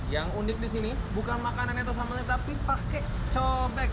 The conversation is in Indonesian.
yang unik di sini bukan makanannya atau sambalnya tapi pakai cobek